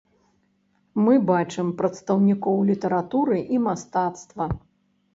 Мы бачым прадстаўнікоў літаратуры і мастацтва.